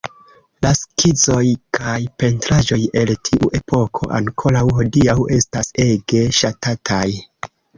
La skizoj kaj pentraĵoj el tiu epoko ankoraŭ hodiaŭ estas ege ŝatataj".